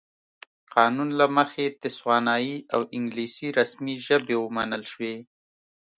قانون له مخې تسوانایي او انګلیسي رسمي ژبې ومنل شوې.